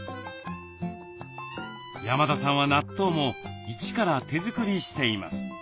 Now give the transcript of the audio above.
山田さんは納豆も一から手作りしています。